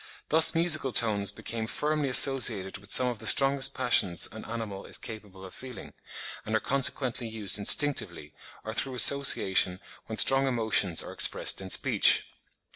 Thus musical tones became firmly associated with some of the strongest passions an animal is capable of feeling, and are consequently used instinctively, or through association when strong emotions are expressed in speech.